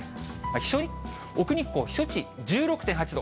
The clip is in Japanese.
奥日光、避暑地、１６．８度。